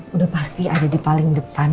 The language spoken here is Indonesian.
udah pasti ada di paling depan